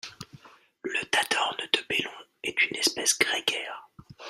Le Tadorne de Belon est une espèce grégaire.